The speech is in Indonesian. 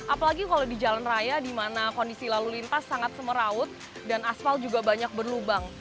apalagi kalau di jalan raya di mana kondisi lalu lintas sangat semeraut dan aspal juga banyak berlubang